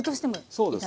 そうです。